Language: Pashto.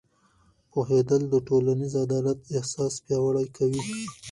پوهېدل د ټولنیز عدالت احساس پیاوړی کوي.